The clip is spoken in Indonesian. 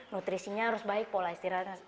nutrisinya harus baik pola istirahatnya